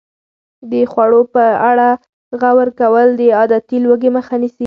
د خوړو په اړه غور کول د عادتي لوږې مخه نیسي.